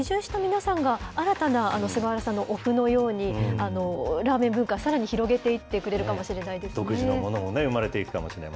移住した皆さんが新たな菅原さんのおふのように、ラーメン文化、さらに広げていってくれるかもしれないですね。